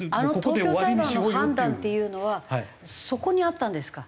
あの東京裁判の判断っていうのはそこにあったんですか？